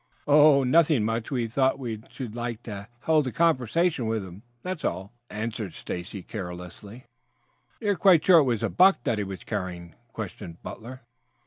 "Oh, nothing much. We thought we should like to hold a conversation with him, that's all," answered Stacy carelessly. "You are quite sure it was a buck that he was carrying?" questioned Butler.